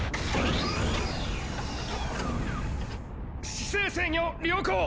姿勢制御良好。